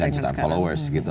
dengan jutaan followers gitu